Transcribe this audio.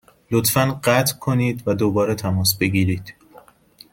لطفا قطع کنید و دوباره تماس بگیرید.